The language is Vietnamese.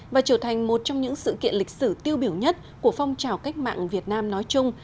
và trở thành một trong những sự kiện lịch sử tiêu biểu nhất của phong trào cách mạng việt nam nói chung